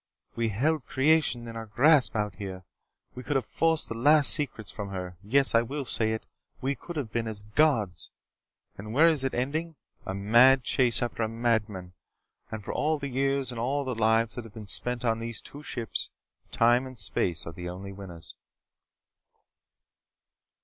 "We held creation in our grasp out here. We could have forced the last secrets from her. Yes, I will say it! We could have been as gods. And where is it ending? A mad chase after a madman. And for all the years and all the lives that have been spent on these two ships, time and space are the only winners."